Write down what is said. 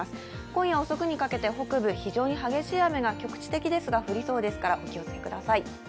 今夜遅くにかけて北部、非常に激しい雨が局地的ですが、降りそうですからお気をつけください。